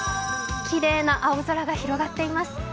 きれいな青空が広がっています。